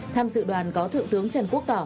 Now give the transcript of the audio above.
tham dự đoàn có thượng tướng trần quốc tỏ